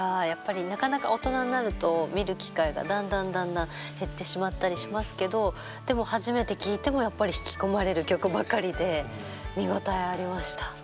やっぱりなかなか大人になると見る機会がだんだんだんだん減ってしまったりしますけどでも初めて聴いてもやっぱり引き込まれる曲ばかりで見応えありました。